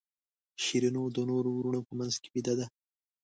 شیرینو د نورو وروڼو په منځ کې بېده ده.